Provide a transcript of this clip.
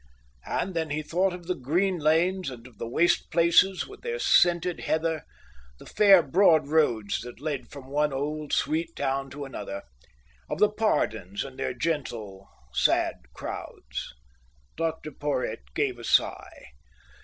And then he thought of the green lanes and of the waste places with their scented heather, the fair broad roads that led from one old sweet town to another, of the Pardons and their gentle, sad crowds. Dr Porhoët gave a sigh.